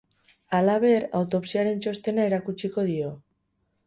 Halaber, autopsiaren txostena erakutsiko dio.